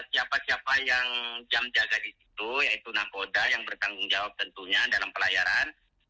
siapa siapa yang jam jaga di situ yaitu nakoda yang bertanggung jawab tentunya dalam pelayaran